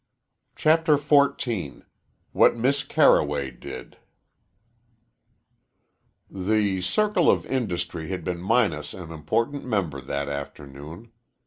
CHAPTER XIV WHAT MISS CARROWAY DID The Circle of Industry had been minus an important member that afternoon.